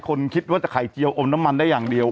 คิดว่าจะไข่เจียวอมน้ำมันได้อย่างเดียว